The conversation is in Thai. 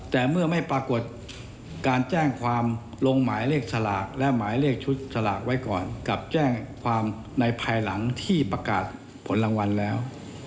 แต่เมื่อไม่ปรากฏการแจ้งความลงหมายเลขสลากและหมายเลขชุดสลากไว้ก่อนกับแจ้งความในภายหลังที่ประกาศผลรางวัลแล้ว